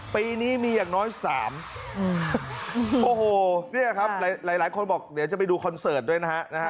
ปีนี้มีอย่างน้อย๓โอ้โหเนี่ยครับหลายหลายคนบอกเดี๋ยวจะไปดูคอนเสิร์ตด้วยนะฮะ